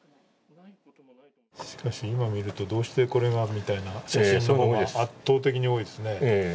しかし、今見るとどうしてこれが？みたいな写真の方が圧倒的に多いですね。